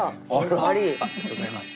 ありがとうございます。